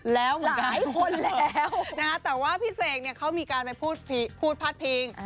แล้วหลายคนแล้วนะฮะแต่ว่าพี่เสกเนี่ยเขามีการไปพูดพาดพิง